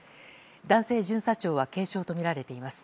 男性巡査長は軽傷とみられています。